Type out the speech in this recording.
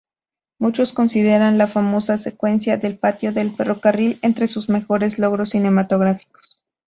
Muchos consideran la famosa secuencia del patio de ferrocarril entre sus mejores logros cinematográficos".